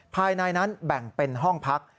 ภายในนั้นแบ่งเป็นห้องพัก